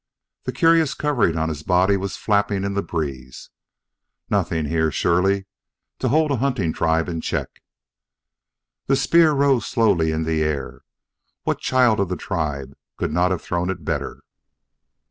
The curious covering on his body was flapping in the breeze. Nothing here, surely, to hold a hunting tribe in check. The spear rose slowly in the air. What child of the tribe could not have thrown it better!